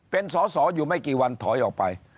เป็นสอสออยู่ไม่กี่วันถอยออกไป